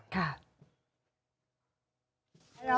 ค่ะ